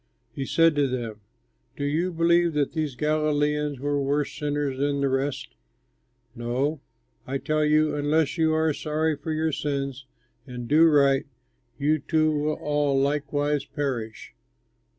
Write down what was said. He said to them, "Do you believe that these Galileans were worse sinners than the rest? No, I tell you; and unless you are sorry for your sins and do right, you too will all likewise perish.